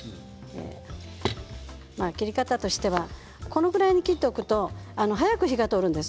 切り方としては４分の１ぐらいに切ると早く火が通るんです。